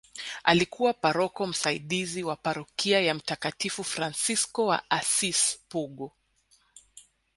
Alikuwa paroko msaidizi wa parokia ya mtakatifu Fransisco wa Assis Pugu